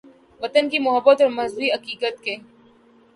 ، وطن کی محبت اور مذہبی عقیدت کے